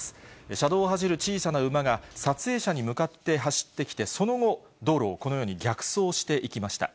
車道を走る小さな馬が撮影者に向かって走ってきて、その後、道路をこのように逆走していきました。